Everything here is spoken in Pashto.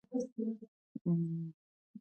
د لوګر غنم د کابل بازار ته راځي.